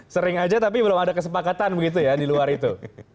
sering aja tapi belum ada kesepakatan begitu ya di luar itu